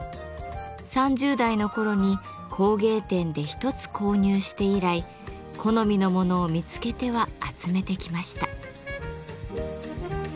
３０代の頃に工芸店で１つ購入して以来好みのものを見つけては集めてきました。